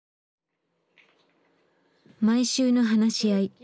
毎週の話し合い。